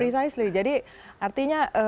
precisely jadi artinya